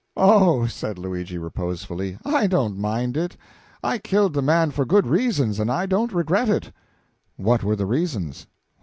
"Oh," said Luigi, reposefully, "I don't mind it. I killed the man for good reasons, and I don't regret it." "What were the reasons?"